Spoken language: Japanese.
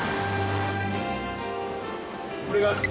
これが。